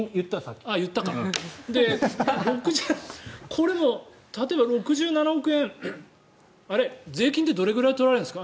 これ、例えば６７億円税金ってどれくらい取られるんですか？